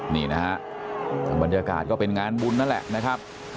นี่นะฮะบรรยากาศก็เป็นงานบุญนั่นแหละนะครับ